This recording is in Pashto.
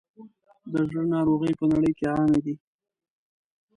د زړه ناروغۍ په نړۍ کې عامې دي.